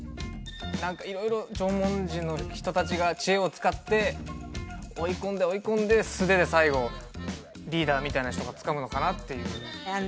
何か色々縄文人の人達が知恵を使って追い込んで追い込んで素手で最後リーダーみたいな人がつかむのかなっていうあの